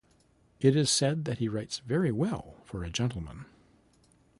It is said that he writes very well for a gentleman.